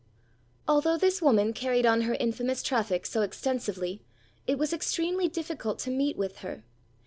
Although this woman carried on her infamous traffic so extensively, it was extremely difficult to meet with her.